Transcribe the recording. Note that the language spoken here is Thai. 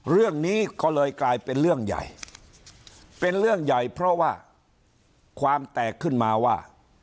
เรื่องนี้ก็เลยกลายเป็นเรื่องใหญ่เป็นเรื่องใหญ่เพราะว่าความแตกขึ้นมาว่า